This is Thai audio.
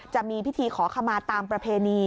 จะมีพิธีขอขมาตามประเพณี